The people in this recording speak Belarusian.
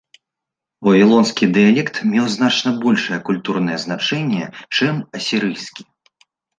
Вавілонскі дыялект меў значна большае культурнае значэнне, чым асірыйскі.